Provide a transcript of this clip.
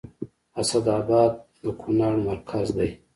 اسداباد د کونړ مرکز دی